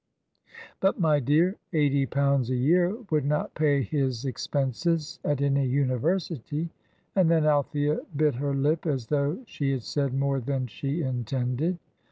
"But, my dear, eighty pounds a year would not pay his expenses at any university." And then Althea bit her lip as though she had said more than she intended.